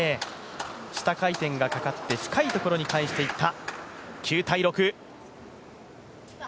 下回転がかかって深いところに返していった。